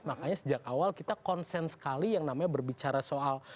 makanya sejak awal kita konsen sekali yang namanya berbicara soal